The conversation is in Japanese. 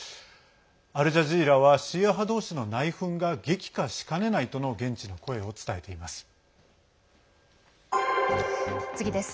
アルジャジーラはシーア派どうしの内紛が激化しかねないとの現地の声を伝えています。